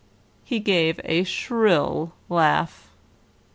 He gave a shrill laugh.